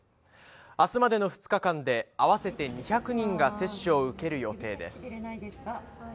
あすまでの２日間で、合わせて２００人が接種を受ける予定です。